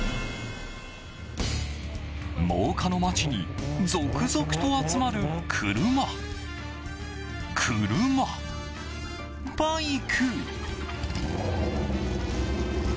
真岡の町に続々と集まる車、車、バイク。